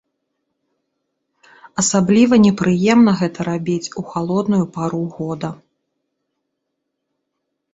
Асабліва непрыемна гэта рабіць у халодную пару года.